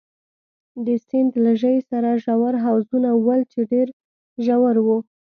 د سیند له ژۍ سره ژور حوضونه ول، چې ډېر ژور وو.